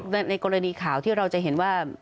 ในกรณีข่าวที่เราจะเห็นว่า